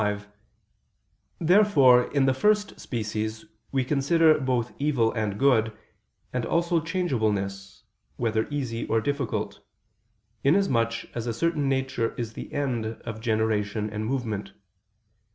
25), therefore in the first species we consider both evil and good, and also changeableness, whether easy or difficult; inasmuch as a certain nature is the end of generation and movement.